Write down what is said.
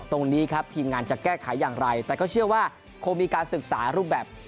ตรงนี้ครับทีมงานจะแก้ไขอย่างไรแต่ก็เชื่อว่าคงมีการศึกษารูปแบบ